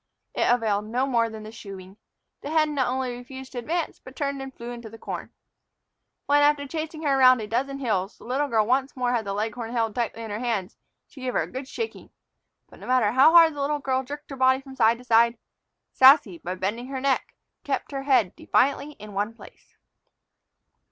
It availed no more than the shooing. The hen not only refused to advance, but turned and flew into the corn. When, after chasing her around a dozen hills, the little girl once more had the leghorn held tightly in her hands, she gave her a good shaking. But no matter how hard the little girl jerked her body from side to side, Sassy, by bending her neck, kept her head defiantly in one place.